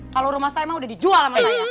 kalo rumah saya mah udah dijual sama saya